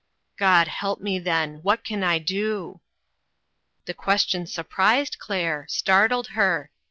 "God help me, then! What can I do?" The question surprised Claire, startled her.